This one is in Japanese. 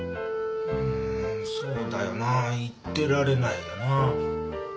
うんそうだよな言ってられないよな。